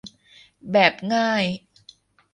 แบบง่าย